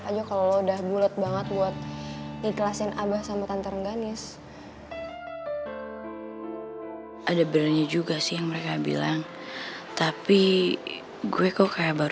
aku udah coba menghindar dari bang kobar